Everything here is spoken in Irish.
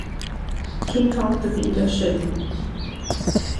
Cén tábhacht a bhí leis sin?